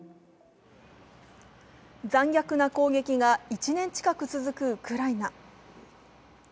残虐な攻撃が１年近く続くウクライナ。